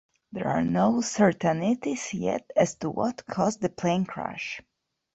There are no certainties yet as to what caused the plane crash.